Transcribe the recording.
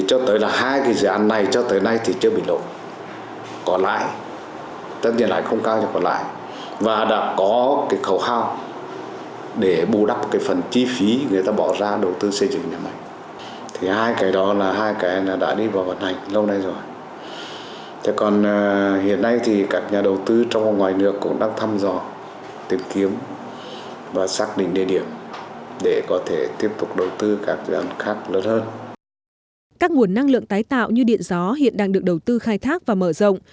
các nguồn năng lượng tái tạo như điện gió hiện đang được đầu tư khai thác và mở rộng